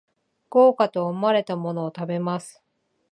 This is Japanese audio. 豪華と思われたものを食べます